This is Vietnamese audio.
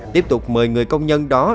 tiếp tục mời người công nhân đó